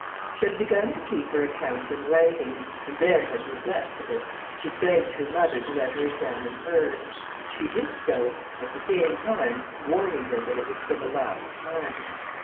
She had begun to keep her account in writing, and then had neglected it; she begged her mother to let her examine hers; she did so, at the same time warning her that it was for the last time.